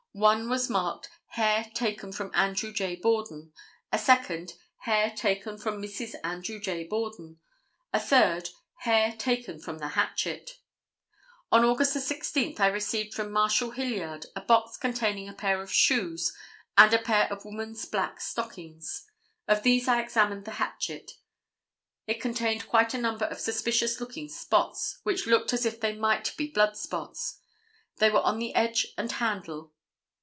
One was marked, 'Hair taken from Andrew J. Borden,' a second, 'Hair taken from Mrs. Andrew J. Borden,' a third, 'Hair taken from the hatchet.' On Aug. 16, I received from Marshal Hilliard a box containing a pair of shoes and a pair of woman's black stockings. Of these I examined the hatchet. It contained quite a number of suspicious looking spots, which looked as if they might be blood spots. They were on the edge and handle.